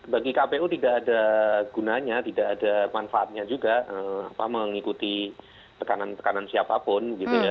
bagi kpu tidak ada gunanya tidak ada manfaatnya juga mengikuti tekanan tekanan siapapun gitu ya